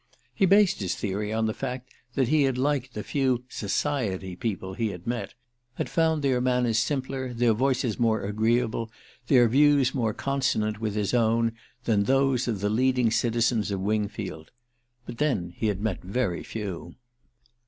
He based his theory on the fact that he had liked the few "society" people he had met had found their manners simpler, their voices more agreeable, their views more consonant with his own, than those of the leading citizens of Wingfield. But then he had met very few.